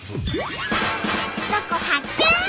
ロコ発見！